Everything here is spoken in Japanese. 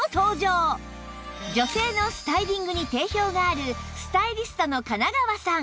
女性のスタイリングに定評があるスタイリストの金川さん